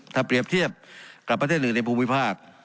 ถ้าเปรียบเทียบกับประเทศอื่นในภูมิภาค